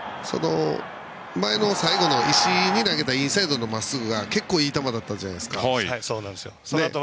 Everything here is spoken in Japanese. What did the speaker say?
前の最後の石井に投げたインサイドのまっすぐが結構いい球だったじゃないですか。